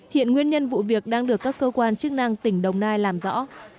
hiện nguyên nhân vụ việc đang được các cơ quan chức năng tỉnh đồng nai làm rõ